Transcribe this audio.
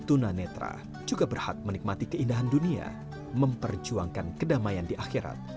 tunanetra juga berhak menikmati keindahan dunia memperjuangkan kedamaian di akhirat